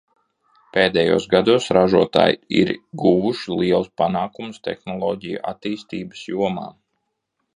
Pēdējos gados ražotāji ir guvuši lielus panākumus tehnoloģiju attīstības jomā.